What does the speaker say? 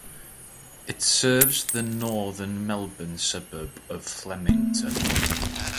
It serves the northern Melbourne suburb of Flemington.